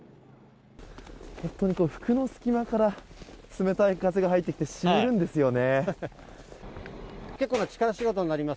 本当に服の隙間から冷たい風が入ってきて、しみるんですよね。